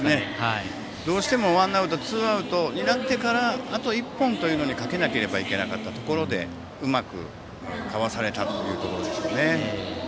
どうしてもワンアウトツーアウトになってからあと１本というのにかけないといけなかったところでうまくかわされたというところでしょうね。